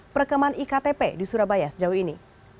perekaman iktp di surabaya sejauh ini